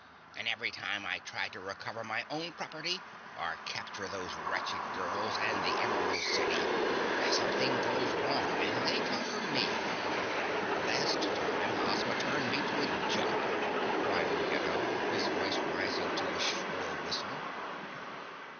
"And every time I try to recover my own property, or capture those wretched girls and the Emerald City, something goes wrong and they conquer ME! The last time Ozma turned me to a jug!" cried Ruggedo, his voice rising to a shrill whistle.